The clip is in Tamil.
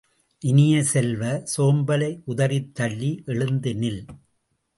இனிய செல்வ, சோம்பலை உதறித் தள்ளி எழுந்து நில்!